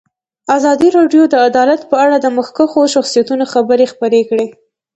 ازادي راډیو د عدالت په اړه د مخکښو شخصیتونو خبرې خپرې کړي.